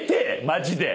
マジで！